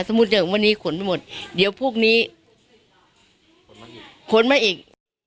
สมมุติว่าวันนี้ขนไปหมดเดี๋ยวพวกนี้ขนมาอีก